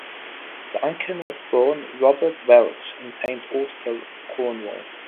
Duncan was born Robert Welch in Saint Austell, Cornwall.